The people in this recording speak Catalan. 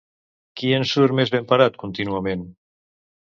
Qui en surt més ben parat contínuament?